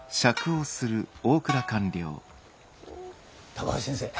高橋先生